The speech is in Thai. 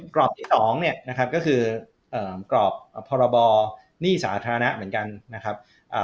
กรอบที่๒เนี่ยนะครับก็คือกรอบพรบหนี้สาธารณะเหมือนกันนะครับ